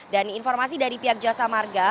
dan informasi dari pihak jasa marga